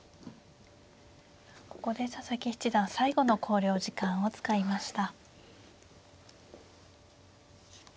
ここで佐々木七段最後の考慮時間を使いました。